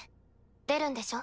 出るんでしょ？